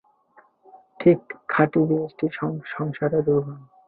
ঠিক খাঁটি জিনিসটি সংসারে দুর্লভ।